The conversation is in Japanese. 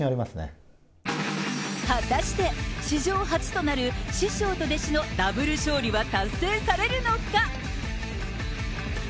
果たして、史上初となる師匠と弟子のダブル勝利は達成されるのか。